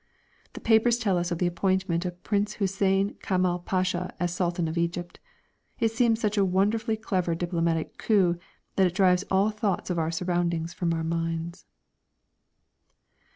The papers tell us of the appointment of Prince Hussein Kamel Pasha as Sultan of Egypt. It seems such a wonderfully clever diplomatic coup that it drives all thoughts of our surroundings from our minds.